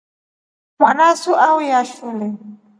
Mwanasu su auya shule.